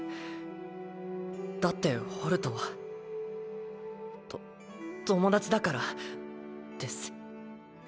だってホルトはと友達だからです